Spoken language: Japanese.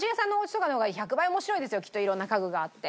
きっと色んな家具があって。